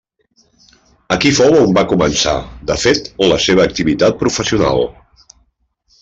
Aquí fou on va començar, de fet, la seva activitat professional.